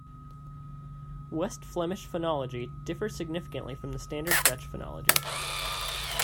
West Flemish phonology differs significantly from the standard Dutch phonology.